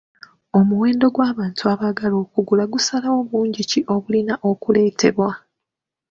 Omuwendo gw'abantu abaagala okugula gusalawo bungi ki obulina okuleetebwa.